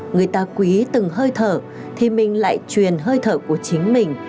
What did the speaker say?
người ta quý từng hơi thở thì mình lại truyền hơi thở của chính mình